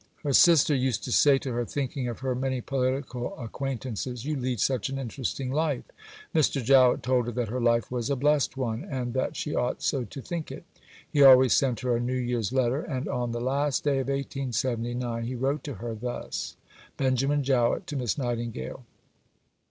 Her sister used to say to her, thinking of her many political acquaintances: "You lead such an interesting life." Mr. Jowett told her that her life was a blessed one, and that she ought so to think it. He always sent her a New Year's letter, and on the last day of 1879 he wrote to her thus: (_Benjamin Jowett to Miss Nightingale.